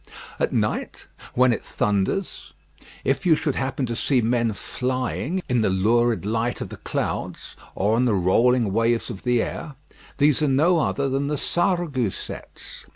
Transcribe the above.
At night, when it thunders, if you should happen to see men flying in the lurid light of the clouds, or on the rolling waves of the air, these are no other than the Sarregousets.